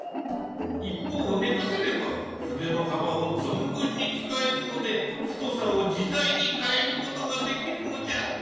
一方寝かせれば筆の幅を存分に使えるので太さを自在に変えることができるのじゃ。